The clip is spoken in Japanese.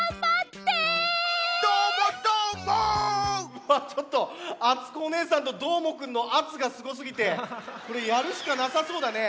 うわちょっとあつこおねえさんとどーもくんのあつがすごすぎてこれやるしかなさそうだね。